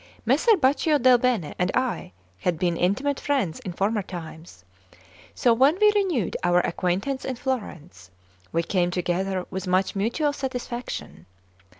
Messer Baccio del Bene and I had been intimate friends in former times; so when we renewed our acquaintance in Florence, we came together with much mutual satisfaction.